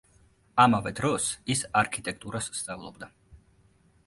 ამავე დროს ის არქიტექტურას სწავლობდა.